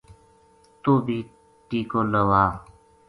توہ بھی ٹیکو لوا